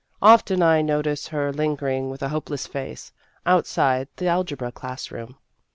Often I notice her lingering with a hopeless face outside the algebra class room.